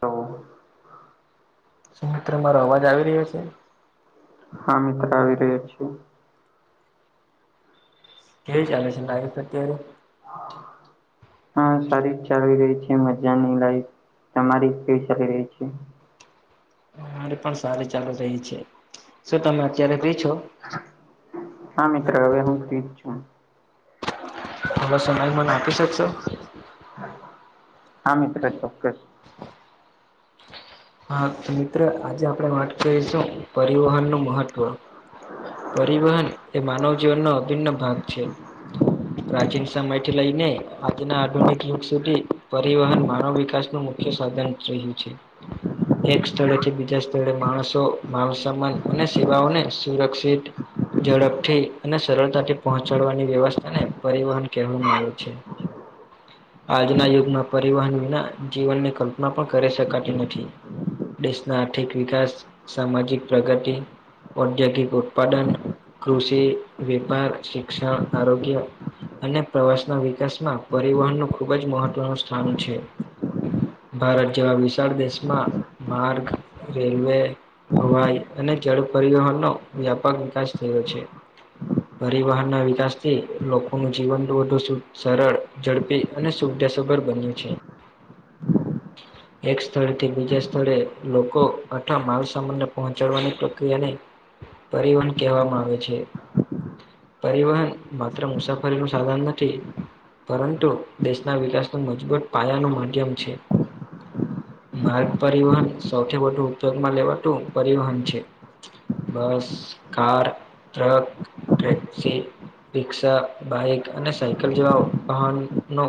હા. શું મિત્ર મારો અવાજ આવી રહ્યો છે? હા, મિત્ર આવી રહ્યો છે. કેવી ચાલે છે લાઈફ અત્યારે? [inaudible] હા, સારી જ ચાલી રહી છે, મજાની લાઈફ. તમારી કેવી ચાલી રહી છે? મારી પણ સારી ચાલી રહી છે. શું તમે અત્યારે ફ્રી છો? હા મિત્ર હવે હું ફ્રી જ છું. થોડો સમય મને આપી શકશો? હા મિત્ર, ચોક્કસ. હા. તો મિત્ર આજે આપણે વાત કરીશું પરિવહન નું મહત્વ. પરિવહન એ માનવ જીવનનો અભિન્ન ભાગ છે. પ્રાચીન સમયથી લઈને આજના આધુનિક યુગ સુધી પરિવહન માનવ વિકાસ નું મુખ્ય સાધન રહ્યું છે. એક સ્થળેથી બીજા સ્થળે માણસો માલસામાન અને સેવાઓને સુરક્ષિત ઝડપથી અને સરળતાથી પહોંચાડવાની વ્યવસ્થા ને પરિવહન કહેવામાં આવે છે. આજના યુગમાં પરિવહન વિના જીવનની કલ્પના પણ કરી શકાતી નથી. દેશના આર્થિક વિકાસ, સામાજિક પ્રગતિ ઔદ્યોગિક ઉત્પાદન, કૃષિ, વેપાર, શિક્ષણ, આરોગ્ય અને પ્રવાસના વિકાસમાં પરિવહનનું ખૂબ જ મહત્વનું સ્થાન છે. ભારત જેવા વિશાળ દેશમાં માર્ગ, રેલવે હવાઈ અને જળ પરિવહનનો વ્યાપક વિકાસ થયો છે. પરિવહન ના વિકાસ થી લોકોનું જીવન વધુ સુત સરળ, ઝડપી અને [unintelligible] સુભળભર્યું છે. એક સ્થળે થી બીજા સ્થળે લોકો અઠવા માલ સામાનને પહોંચાડવાની પ્રક્રિયાને પરિવહન કહેવામાં આવે છે. પરિવહન માત્ર મુસાફરીનું સાધન નથી, પરંતુ દેશના વિકાસનું મજબૂત પાયાનું માધ્યમ છે. માર્ગ પરિવહન સૌથી વધુ ઉપયોગમાં લેવાતું પરિવહન છે. બસ, કાર, ટ્રક, ટ્રેક્સી રિક્ષા, બાઈક અને સાયકલ જેવા વાહનનો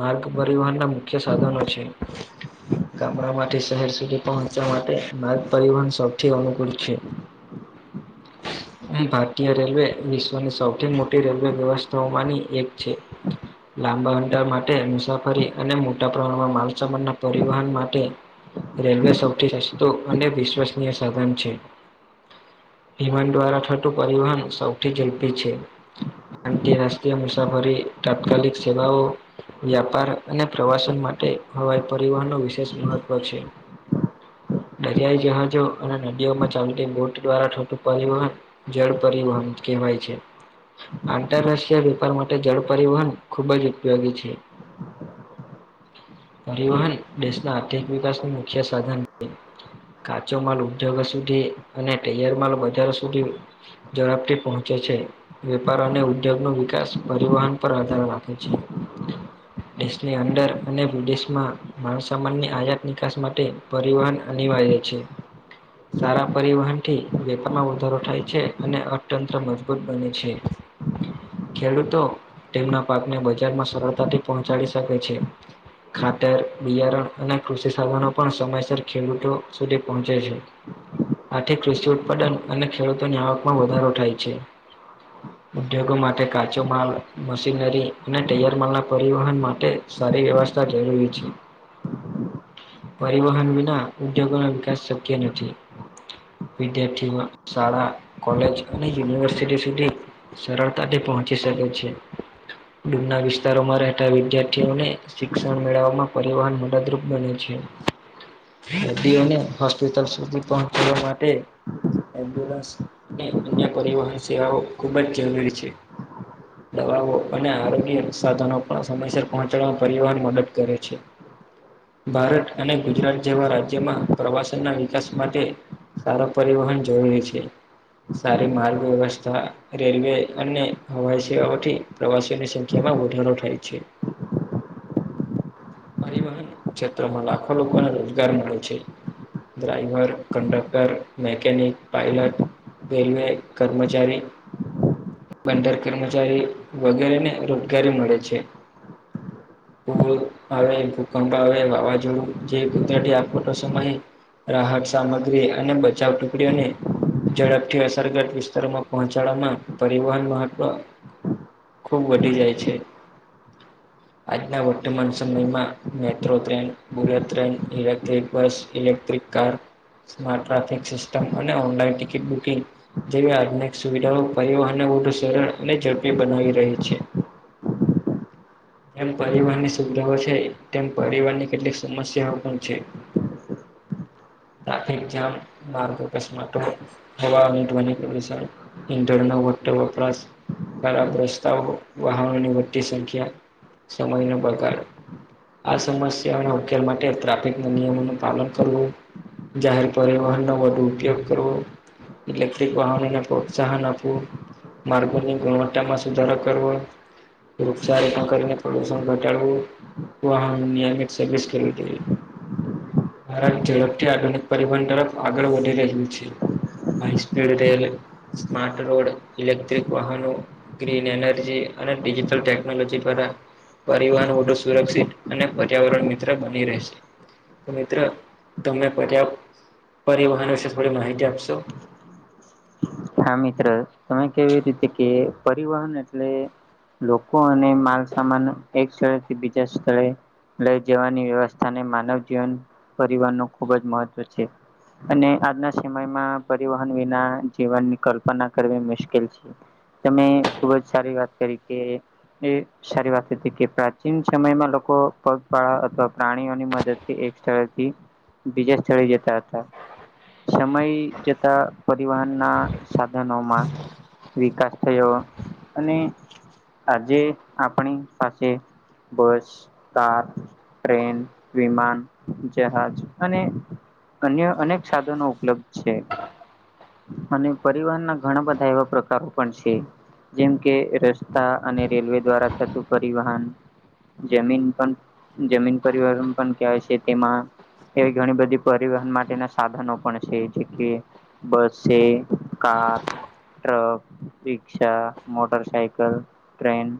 માર્ગ પરિવહનના મુખ્ય સાધનો છે. ગામડા માટે શહેર સુધી પહોંચવા માટે માર્ગ પરિવહન સૌથી અનુકૂળ છે. [inaudible] ભારતીય રેલવે વિશ્વની સૌથી મોટી રેલવે વ્યવસ્થાઓમાંની એક છે. લાંબા [unintelligible] માટે મુસાફરી, અને મોટા પ્રમાણમાં માલસામાન ના પરિવહન માટે રેલ્વે સૌથી સસ્તું અને વિશ્વસનીય સાધન છે. વિમાન દ્વારા થતું પરિવહન સૌથી ઝડપી છે. આંતરરાષ્ટ્રીય મુસાફરી તાત્કાલિક સેવાઓ વ્યાપાર અને પ્રવાસન માટે હવાઈ પરિવહન નો વિશેષ મહત્વ છે. દરિયાઈ જહાજો અને નદીઓમાં ચાલતી બોટ દ્વારા થતું પરિવહન જળ પરિવહન કહેવાય છે. આંતરરાષ્ટ્રીય વેપાર માટે જળ પરિવહન ખૂબ જ ઉપયોગી છે. પરિવહન દેશના આર્થિક વિકાસ નું મુખ્ય સાધન છે. કાચો માલ ઉદ્યોગ સુધી અને તૈયાર માલ બજાર સુધી ઝડપથી પહોંચે છે. વેપાર અને ઉદ્યોગ નો વિકાસ પરિવહન પર આધાર રાખે છે. દેશની અંદર અને વિદેશમાં માલસામાનની આયાત નિકાસ માટે પરિવહન અનિવાર્ય છે. સારા પરિવહનથી વેપારમાં વધારો થાય છે અને અર્થતંત્ર મજબૂત બને છે. ખેડૂતો તેમના પાકને બજારમાં સરળ તાથી પહોંચાડી શકે છે. ખાતર બિયારણ અને કૃષિ સાધનો પણ સમયસર ખેડૂતો સુધી પહોંચે છે. આર્થી કૃષિ ઉત્પાદન અને ખેડૂતોની આવકમાં વધારો થાય છે. ઉદ્યોગો માટે કાચો માલ મશીનરી અને તૈયાર માલ ના પરિવહન માટે સારી વ્યવસ્થા જરૂરી છે. પરિવહન વિના ઉદ્યોગોનો વિકાસ શક્ય નથી. વિદ્યાર્થીઓ શાળા કોલેજ અને યુનિવર્સિટી સુધી સરળતા થી પહોંચી શકે છે ડુંમના વિ વિસ્તારોમાં રહેતા વિદ્યાર્થીઓને શિક્ષણ મેળવવામાં પરિવહન મદદરૂપ બને છે. દદીઓને હોસ્પિટલ સુધી પહોંચવા માટે એમ્બ્યુલન્સ અને અન્ય પરિવહન સેવાઓ ખુબ જ જરૂરી છે. દવાઓ અને આરોગ્ય સાધનો પણ સમયસર પહોંચાડવામાં પરિવહન મદદ કરે છે. ભારત અને ગુજરાત જેવા રાજ્યમાં પ્રવાસનના વિકાસ માટે સારો પરિવહન જરૂરી છે સારી માર્ગ વ્યવસ્થા રેલવે અને હવાઈ સેવાઓથી પ્રવાસીઓની સંખ્યા માં વધ વધારો થાય છે. પરિવહન ક્ષેત્રમાં લાખો લોકોને રોજગાર મળે છે. Driver, conductor, mechanic, pilot railway કર્મચારી બંદર કર્મચારી વગેરેને રોજગારી મળે છે. પૂર આવે ભૂકંપ આવે વાવાઝોડું જે કુદરતી આફતો સમય રાહત સામગ્રી અને બચાવ ટુકડીઓને ઝડપથી અસરગત વિસ્તારોમાં પહોંચાડવામાં પરિવહન મહત્વ ખુબ વધી જાય છે. આજના વર્તમાન સમયમાં metro train, bullet train, electric bus, electric કારમા ટ્રાફિક સિસ્ટમ અને ઓનલાઈન ટિકિટ બુકિંગ જેવી આધુનિક સુવિધાઓ પરિવહનને વધુ સરળ અને ઝડપી બનાવી રહી છે. જેમ પરીવહન સુવિધાઓ છે તેમ પરીવહન કેટલીક સમસ્યાઓ પણ છે. ટ્રાફિક જામ માર્ગ [unintelligible] હવા પ્રદુણ ઇંધરનો વો વપરાશ ખરાબ રસ્તાઓ વાહનોની વધતી સંખ્યા સમયને પડકારો. આ સમસ્યાના ઉકેલ માટે ટ્રાફિક ના નિયમોનું પાલન કરવું. જાહેર પરિવહનનો વધુ ઉપયોગ કરવો. ઈલેક્ટ્રીક વાહનોને પ્રોત્સાહન આપવું. માર્ગોની ગુણવત્તામાં સુધારો કરવો. વૃક્ષા રોપણ કરીને પ્રદુષણ ઘટાડવું. વાહનો નિયમિત સર્વિસ [unintelligible] ભારત ઝડપથી આધુનિક પરિવહન તરફ આગળ વધી રહ્યું છે. High speed rail smart road electric વાહનો ગ્રીન એનર્જી અને ડિજિટલ ટેકનોલોજી દ્વારા પરિવહન મોટું સુરક્ષિત અને પર્યાવરણ મિત્ર બની રહેશે. તો મિત્ર તમમે પર્યા્ત પરિવહન વિશે થોડી માહિતી આપશો? હા મિત્ર તમે કેવી રીતે કે પરિવહન એટલે લોકો અને માલસામાન એક સ્થળેથી બીજા સ્થળે લઈ જવાની વ્યવસ્થા ને માનવ જીવન પરિવહ ન ખૂબ જ મહત્વ છે. અને આજના સમયમાં પરિવહન વિના જીવનની કલ્પના કરવી મુશ્કેલ છે. તમે ખુબ જ સારી વાત કરી કે એ સારી વાત હતી કે પ્રાચીન સમયમાં લોકો પગપાળા અથવા પ્રાણીઓની મદદથી એક સ્થળેથી બીજા સ્થળે જતા હતા સમય જતા પરિવહન ના સાધનોમાં વિકાસ થયો અને આજે આપણી પાસે બસ કાર ટ્રેન વિમાન જહાજ અને અન્ય અનેક સાધનો ઉપલબ્ધ છે. અને પરિવહન ના ઘણા બધા એવા પ્રકારો પણ છે. જેમ કે રસ્તા અને રેલવે દ્વારા થતું પરિવહન. જમીન પણ જમીન પરિવહન પણ કહેવાય છે તેમાં એવી ઘણી બધી પરિવહન માટેના સાધનો પણ છે જે બસ કાર ટ્રક રિક્ષા મોટર સાયકલ ટ્રેન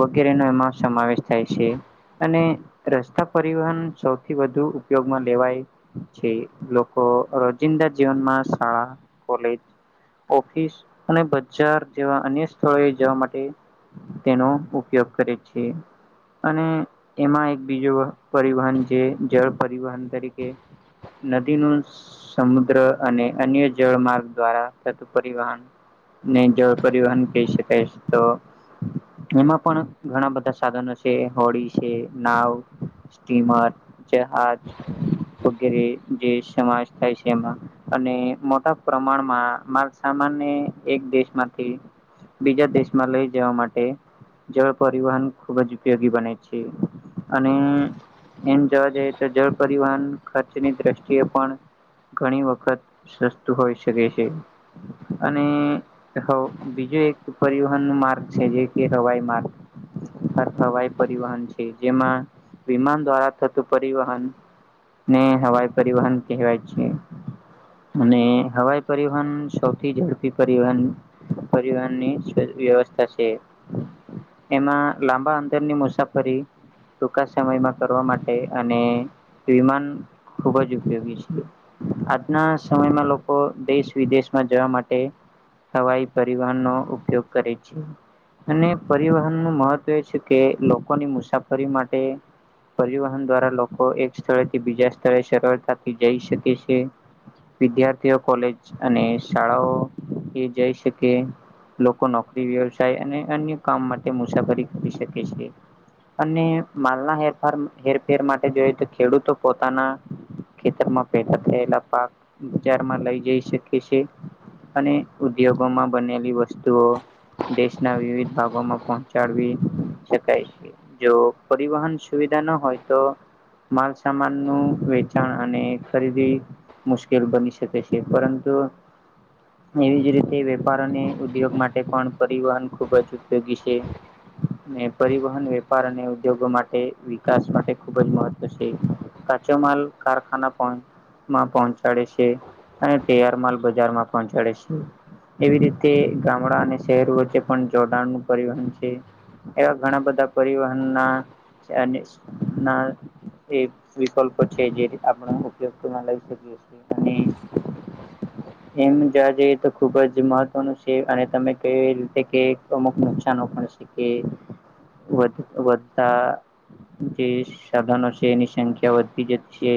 વગેરે નો એમાં સમાવેશ થાય છે. અને રસ્તા પરિવહન સૌથી વધુ ઉપયોગમાં લેવાય. છે લોકો રોજિંદા જીવનમાં શાળા કોલેજ ઓફિસ અને બજાર જેવા અન્ય સ્થળોએ જવા માટે તેનો ઉપયોગ કરે છે. અને એમાં એક બીજો પરિવહન જે જળ પરિવહન તરીકે નદી ન સમુદ્ર અને અન્ય જળ માર્ગ દ્વારા થતું પરિવહન ને જળ પરિવહન કહી શકાય તો એમાં પણ ઘણા બધા સાધનો છે હોળી છે નાવ સ્ટીમર જહાજ. વગેરે જે સમાજ થાય છે એમાં અને પ્રમાણમાં માર્ સામાન્ય એક દેશમાંથી બીજા દેશમાં લઈ જવા માટે જે પરિવહન ખુબ જ ઉપયોગી બને છે અને એમ જોવા જઈએ તો જળ પરિવહન ખર્ચની દ્રષ્ટિએ પણ ઘણી વખત સસ્તું હોઈ શકે છે અને બીજું એક પરિવહન ન માર્ગ છે જે કે હવાઈ માર્ગ. હવાઈ પરિવહન છે જેમાં વિમાન દ્વારા થતું પરિવહન ને હવાઈ પરિવહન કહેવાય છે. અને હવાઈ પરિવહન સૌથી ઝડપી પરિવહન પરિવહનની વ્યવસ્થા છે. એમાં લાંબા અંતરની મુસાફરી ટૂંકા સમયમાં કરવા માટે અને વિમાન ખુબ જ ઉપયોગી છે આજના સમયમાં લોકો દેશ વિદેશમાં જવા માટે. હવાઈ પરિવહન નો ઉપયોગ કરે છે. અને પરિવહનનું મહત્વ એ છે કે લોકોની મુસાફરી માટે પરિવહન દ્વારા લોકો એક સ્થળેથી બીજા સ્થળે સરળતાથી જઈ શકે છે. વિદ્યાર્થીઓ કોલેજ અને શાળાઓ એ જઈ શકે. લોકો નોકરી, વ્યવસાય અને અન્ય કામ માટે મુસાફરી કરી શકે છે. અને માલના હેરફ હેરફેર માટે જોઈ તો ખેડૂતો પોતાના ખેતરમાં પેદા થયેલા પાક બજારમાં લઈ જઈ શકે છે. અને ઉદ્યોગો માં બનેલી વસ્તુઓ દેશના વિવિધ ભાગોમાં પહોંચાડવી શકાય છે. જો પરિવહન સુવિધા ન હોય તો? માલસામાન નું વેચાણ અને ખરીદી ચલબની સાથે શી પરંતુ એવી જ રીતે વેપાર અને ઉદ્યોગ માટે પણ પરિવહન ખુબ જ ઉપયોગી છે. પરિવહન વેપાર અને ઉદ્યોગો માટે વિકાસ માટે ખૂબ જ મહત્વ છે. કાચો માલ કારખાના પણ માં પણ પડે છે. અને તૈયાર માલ બજારમાં પહોંચાડે છે. એવી રીતે ગામડા અને શહેરો વચ્ચે પણ જોડાણ નું પરિવહન છે. એવા ઘણા બધા પરિવહન ના એ વિકલ્પો છે જે, આપણે ઉપયોગમાં લઈ શકીએ છીએ અને [inaudible] એમ જવા જઈએ, તો ખુબ જ મહત્વનું છે, અને તમે ક એ રીતે કે અમુક નુકશનો પણ છે. કે વધ વધતા, જે સાધનો છે, એની સંખ્યા વધી જતીશે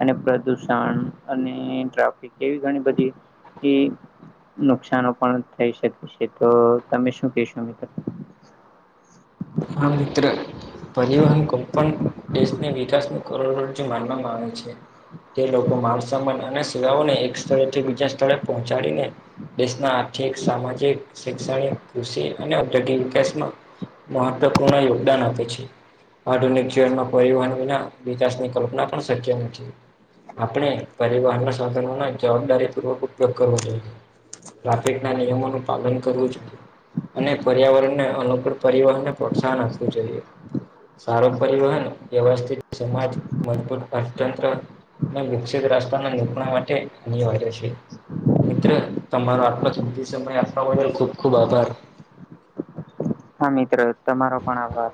અને પ્રદુષણ અને ટ્રાફિક એવી ઘણી બધી નુકશનો પણ થઈ શકે છે તો તમે શું કેશો મિત્રો? હા, મિત્ર! પરિવહન કપન દેશને વિકાસનું કરોડરજુ માનવામાં આવે છે. તે લોકો માર સમાન અને સેવાઓને એક સ્થળેથી બીજા સ્થળે પહોંચાડીને દેશના આર્થિક, સામાજિક, શૈક્ષણિક, કૃષિ અને ઔદ્યોગિક વિકાસમાં મહત્વપૂર્ણ યોગદાન આપે છે. આધુનિક જીવનમાં પરિવહન વિના વિકાસની કલ્પના પણ શક્ય નથી, આપણે પરિવહન ના સાધનો ના જવાબદારી પૂર્વક ઉપયોગ કરવો જોઈએ. ટ્રાફિક ના નિયમોનું પાલન કરવું જોઈએ, અને પર્યાવરણને અનુ પરિવહન ને પ્રોત્સાહન આપવું જોઈએ. સારો પરિવહન વ્યવસ્થિત સમાજ મજબૂત અર્થતંત્ર વિકસિત રસ્તાના નીકણ માટે અનિવાર્ય છે. મિત્ર તમારો આટલો કિંમતી સમય આપવા બદલ ખુબ ખુબ આભાર. હા, મિત્રો તમારો પણ આભાર.